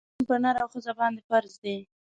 تعلیم پر نر او ښځه باندي فرض دی